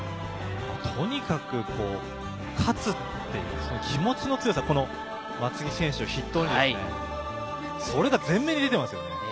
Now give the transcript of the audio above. とにかく勝つっていう気持ちの強さ、松木選手を筆頭に、それが前面に出てますよね。